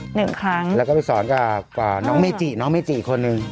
หนึ่งครั้งแล้วก็ไปสอนกับน้องเมจิน้องเมจิคนหนึ่ง